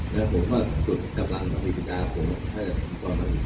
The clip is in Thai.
แล้วผมก็จุดกำลังประกันพิการของก็ไปกันเลย